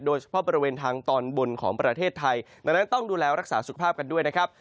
โดยเฉพาะบริเวณทางตอนบนของประเทศไทยดังนั้นต้องดูแลรักษาสุขภาพกันด้วยนะครับ